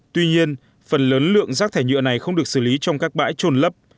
tuy nhiên phần lớn lượng rác thải nhựa này không được xử lý trong các bãi trồn lấp